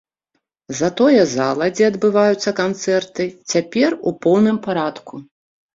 Затое зала, дзе адбываюцца канцэрты, цяпер у поўным парадку.